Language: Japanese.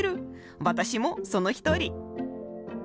私もその一人。